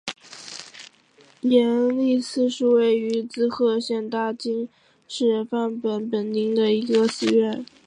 延历寺是位于滋贺县大津市坂本本町的一个寺院。